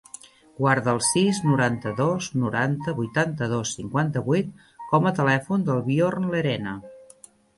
Guarda el sis, noranta-dos, noranta, vuitanta-dos, cinquanta-vuit com a telèfon del Bjorn Lerena.